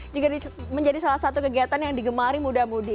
juga menjadi salah satu kegiatan yang digemari muda mudi